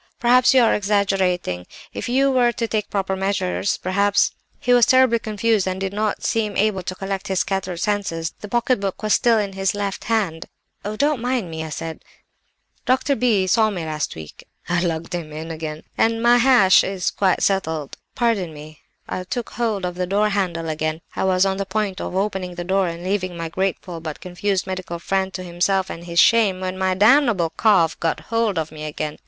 "'Perhaps you are exaggerating—if you were to take proper measures perhaps—" "He was terribly confused and did not seem able to collect his scattered senses; the pocket book was still in his left hand. "'Oh, don't mind me,' I said. 'Dr. B—— saw me last week' (I lugged him in again), 'and my hash is quite settled; pardon me—' I took hold of the door handle again. I was on the point of opening the door and leaving my grateful but confused medical friend to himself and his shame, when my damnable cough got hold of me again.